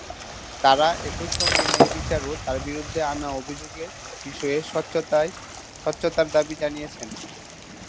তারা একই সঙ্গে ন্যায়বিচার ও তার বিরুদ্ধে আনা অভিযোগের বিষয়ে স্বচ্ছতার দাবি জানিয়েছেন।